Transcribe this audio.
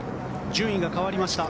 順位が変わりました。